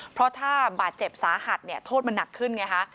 เพราะถ้าบาดเจ็บสาหัสเนี่ยโทษมันหนักขึ้นไงคะ